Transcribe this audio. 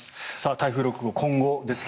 台風６号、今後ですが。